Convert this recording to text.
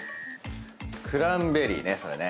クランベリーねそれね。